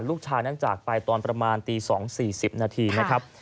ลูกชายนั้นจากไปตอนประมาณตี๒๔๐นาทีนะครับ